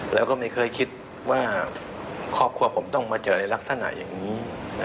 แล้วก็ไม่เคยคิดว่าครอบครัวผมต้องมาเจอในลักษณะอย่างนี้